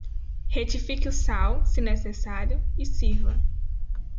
Retifique o sal, se necessário, e sirva.